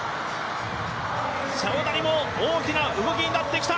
チャウダリも大きな動きになってきた。